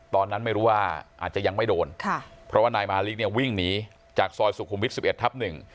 ตอนนั้นไม่รู้ว่าอาจจะยังไม่โดนค่ะเพราะว่านายมาริกเนี่ยวิ่งหนีจากซอยสุขุมวิทย๑๑ทับหนึ่ง